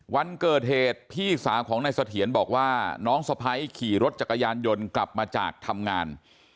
วันเกิดเหตุพี่สาวของนายเสถียรบอกว่าน้องสะพ้ายขี่รถจักรยานยนต์กลับมาจากทำงาน